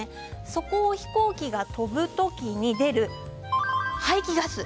そこを飛行機が飛ぶ時に出る排気ガス